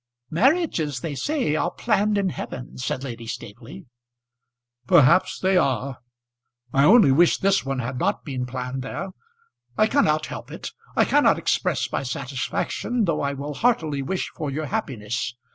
"Marriages, they say, are planned in heaven," said Lady Staveley. "Perhaps they are. I only wish this one had not been planned there. I cannot help it, I cannot express my satisfaction, though I will heartily wish for your happiness.